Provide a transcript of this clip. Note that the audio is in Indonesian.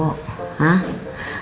kakaknya udah kebun